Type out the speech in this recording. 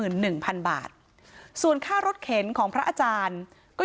ซึ่งในส่วนของค่าแรงชาวบ้านชาวบ้านตั้งใจว่าจะนำไปมอบให้กับพระอาจารย์สมบัติ